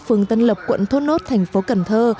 phường tân lập quận thốt nốt thành phố cần thơ